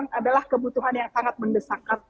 ini memang adalah kebutuhan yang sangat mendesakkan